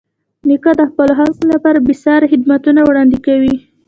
نیکه د خپلو خلکو لپاره بېساري خدمتونه وړاندې کوي.